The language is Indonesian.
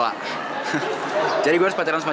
khusus buat lo